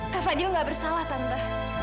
kak fadil gak bersalah tante